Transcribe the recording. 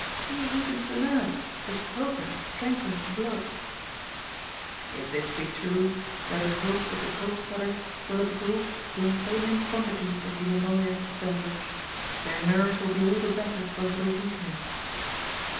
''Tea weakens the nerves, but cocoa strengthens the blood." If this be true, let us hope that the Eoopstaders will absorb Johnsonian quantities of the emollient beverage Their nerves will be all the better for a little weakening.